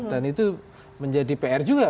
dan itu menjadi pr juga